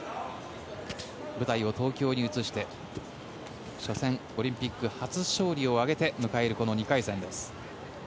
舞台を東京に移して初戦オリンピック初勝利を挙げて迎えるこの２回戦です。